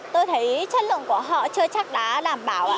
tôi thấy chất lượng của họ chưa chắc đã đảm bảo